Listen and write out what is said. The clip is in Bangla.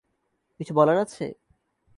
কিছু বলার আছে?